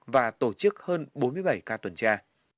và tổ chức hơn bốn mươi bảy ca tuần tra